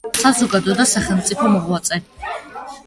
საზოგადო და სახელმწიფო მოღვაწე.